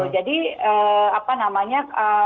jadi apa namanya